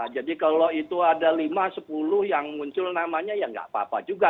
jadi kalau itu ada lima sepuluh yang muncul namanya ya nggak apa apa juga